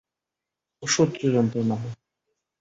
অসহ্য যন্ত্রণা হয়।